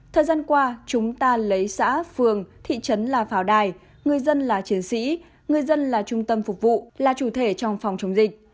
thời gian qua chúng ta lấy xã phường thị trấn là pháo đài người dân là chiến sĩ người dân là trung tâm phục vụ là chủ thể trong phòng chống dịch